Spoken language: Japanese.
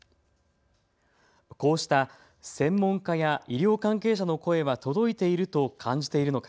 こうした専門家や医療関係者の声は届いていると感じているのか。